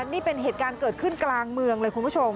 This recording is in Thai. นี่เป็นเหตุการณ์เกิดขึ้นกลางเมืองเลยคุณผู้ชม